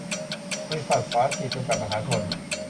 บริษัท ฝาจีบ จำกัด มหาชน